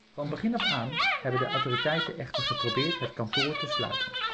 Van begin af aan hebben de autoriteiten echter geprobeerd het kantoor te sluiten.